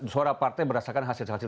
suara partai berdasarkan hasil hasil